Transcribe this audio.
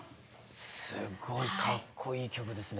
すごいかっこいい曲ですね。